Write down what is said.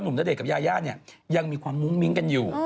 ณเดชนกับยายาเนี่ยยังมีความมุ้งมิ้งกันอยู่